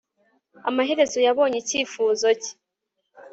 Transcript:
amaherezo yabonye icyifuzo cye